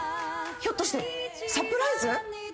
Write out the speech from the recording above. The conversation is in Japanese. ひょっとしてサプライズ？